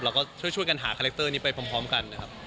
เราก็ช่วยกันหาคาแรคเตอร์นี้ไปพร้อมกันนะครับ